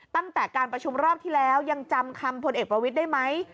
ตั้งแต่การประชุมรอบที่แล้วยังจำคำพลเอกประวิทย์ได้ไหม